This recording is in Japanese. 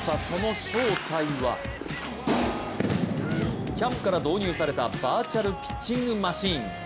その正体は、キャンプから導入されたバーチャルピッチングマシン。